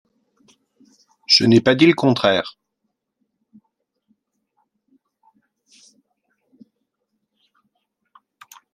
Je n’ai pas dit le contraire